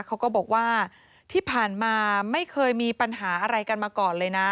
เขาก็บอกว่าที่ผ่านมาไม่เคยมีปัญหาอะไรกันมาก่อนเลยนะ